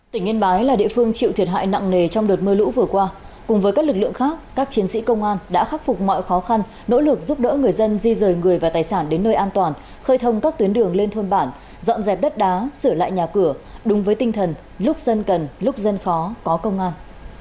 tỉnh yên bái là địa phương chịu thiệt hại nặng nề trong đợt mưa lũ vừa qua cùng với các lực lượng khác các chiến sĩ công an đã khắc phục mọi khó khăn nỗ lực giúp đỡ người dân di rời người và tài sản đến nơi an toàn khơi thông các tuyến đường lên thôn bản dọn dẹp đất đá sửa lại nhà cửa đúng với tinh thần lúc dân cần lúc dân khó có công an